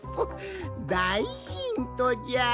だいヒントじゃ！